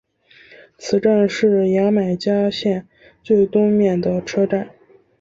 此站是牙买加线最东面的车站。